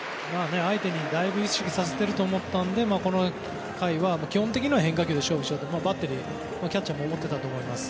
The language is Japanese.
相手にだいぶ意識させていると思ったのでこの回は基本的には変化球で勝負しようとキャッチャーも思っていたと思います。